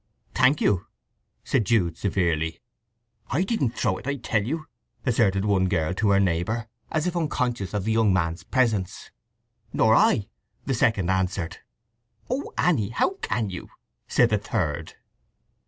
"Thank you!" said Jude severely. "I didn't throw it, I tell you!" asserted one girl to her neighbour, as if unconscious of the young man's presence. "Nor I," the second answered. "Oh, Anny, how can you!" said the third.